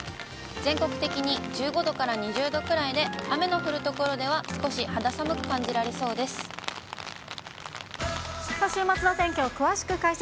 全国的に１５度から２０度くらいで、雨の降る所では、週末の天気を詳しく解説。